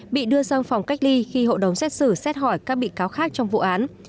bị đưa sang phòng cách ly khi hội đồng xét xử xét hỏi các bị cáo khác trong vụ án